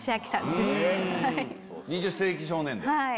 『２０世紀少年』で。